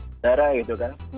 saudara gitu kang